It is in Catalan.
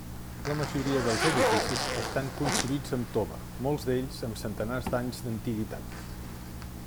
La majoria dels edificis estan construïts amb tova, molts d'ells amb centenars d'anys d'antiguitat.